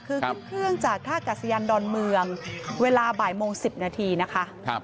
คือขึ้นเครื่องจากท่ากัศยานดอนเมืองเวลาบ่ายโมง๑๐นาทีนะคะ